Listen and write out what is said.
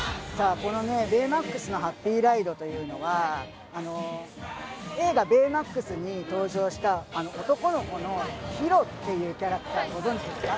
このね「ベイマックスのハッピーライド」というのはあの映画「ベイマックス」に登場した男の子のヒロっていうキャラクターご存じですか？